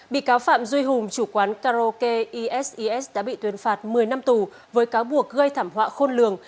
bị cáo phạm duy hùng chủ quán karaoke eses đã bị tuyên phạt một mươi năm tù với cáo buộc gây thảm họa khôn lường